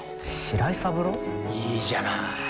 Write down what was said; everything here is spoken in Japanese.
いいじゃない。